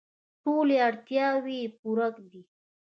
ټولې اړتیاوې یې پوره دي.